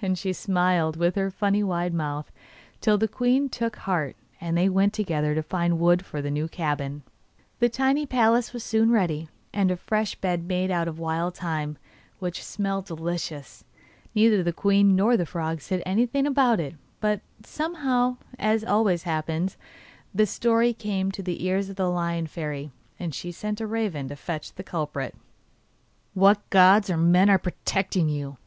And she smiled with her funny wide mouth, till the queen took heart, and they went together to find wood for the new cabin. The tiny palace was soon ready, and a fresh bed made of wild thyme, which smelt delicious. Neither the queen nor the frog said anything about it, but somehow, as always happens, the story came to the ears of the Lion Fairy, and she sent a raven to fetch the culprit. 'What gods or men are protecting you?